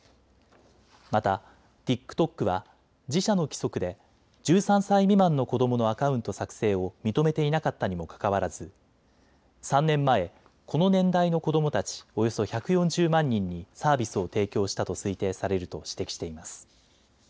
またＴｉｋＴｏｋは自社の規則で１３歳未満の子どものアカウント作成を認めていなかったにもかかわらず３年前この年代の子どもたちおよそ１４０万人にサービスを提供したと推定されると指摘しています。